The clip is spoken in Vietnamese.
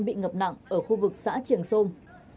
bị ngập nặng ở khu vực xã triềng sông